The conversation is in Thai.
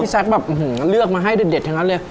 พี่แซ็กแบบอื้อหือเลือกมาให้เด็ดถึงแล้วเลย